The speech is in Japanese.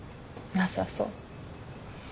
なさそう。